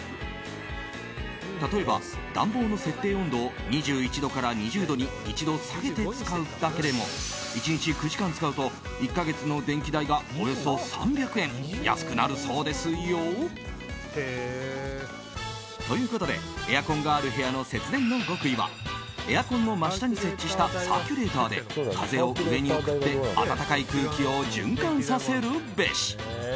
例えば、暖房の設定温度を２１度から２０度に１度下げて使うだけでも１日９時間使うと１か月の電気代がおよそ３００円安くなるそうですよ。ということでエアコンがある部屋の節電の極意はエアコンの真下に設置したサーキュレーターで風を上に送って暖かい空気を循環させるべし！